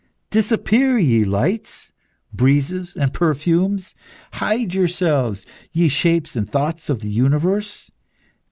Disappear, ye lights, breezes, and perfumes! Hide yourselves, ye shapes and thoughts of the universe!